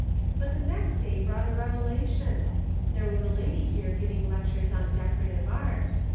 But the next day brought a revelation. There was a lady here giving lectures on decorative art.